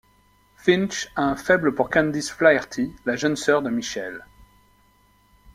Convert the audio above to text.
Finch a un faible pour Candice Flaherty, la jeune sœur de Michelle.